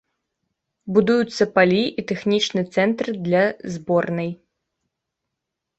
Будуюцца палі і тэхнічны цэнтр для зборнай.